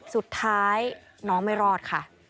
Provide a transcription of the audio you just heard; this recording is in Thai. สุดท้ายน้องไม่รอดค่ะ